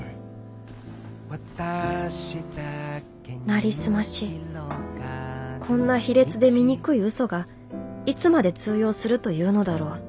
なりすましこんな卑劣で醜いウソがいつまで通用するというのだろう。